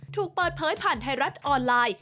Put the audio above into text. ถูกเปิดเผยผ่านไทยรัฐออนไลน์